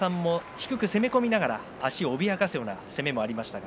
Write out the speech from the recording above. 低く攻めながら足を脅かすような攻めがありました。